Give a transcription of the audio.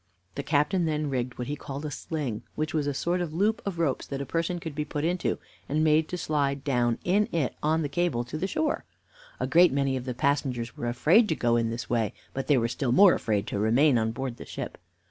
The captain then rigged what he called a sling, which was a sort of loop of ropes that a person could be put into and made to slide down in it on the cable to the shore. A great many of the passengers were afraid to go in this way, but they were still more afraid to remain on board the ship."